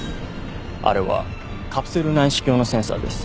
あれはカプセル内視鏡のセンサーです。